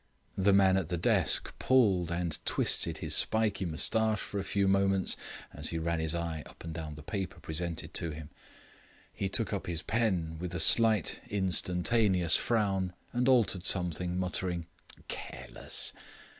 The man at the desk pulled and twisted his spiky moustache for a few moments as he ran his eye up and down the paper presented to him. He took up his pen, with a slight, instantaneous frown, and altered something, muttering "Careless."